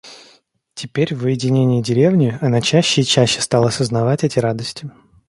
Теперь, в уединении деревни, она чаще и чаще стала сознавать эти радости.